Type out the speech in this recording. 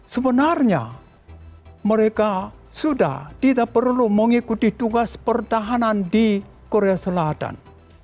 sebenarnya mereka sudah tidak perlu mengikuti tugas pertahanan di korea selatan